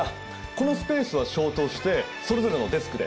このスペースは消灯してそれぞれのデスクで仕事しましょう。